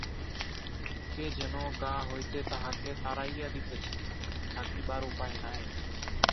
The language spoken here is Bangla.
কে যেন গা হইতে তাহাকে তাড়াইয়া দিতেছে, থাকিবার উপায় নাই।